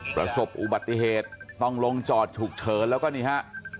ประสบอุบัติเหตุต้องลงจอดฉุกเฉินแล้วก็นี่ฮะ